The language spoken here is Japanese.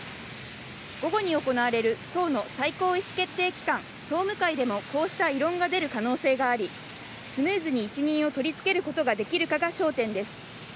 午後に行われる党の最高意思決定機関・総務会でもこうした異論が出る可能性があり、スムーズに一任を取り付けることができるかが焦点です。